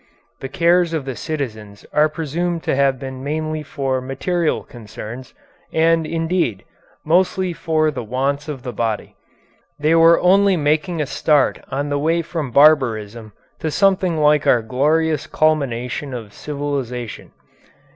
The cares of the citizens are presumed to have been mainly for material concerns, and, indeed, mostly for the wants of the body. They were only making a start on the way from barbarism to something like our glorious culmination of civilization.